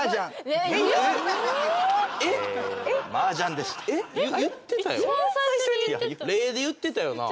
例で言ってたよな？